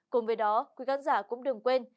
cùng với đó quý khán giả cũng đừng quên